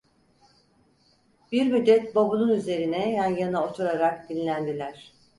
Bir müddet bavulun üzerine yan yana oturarak dinlendiler.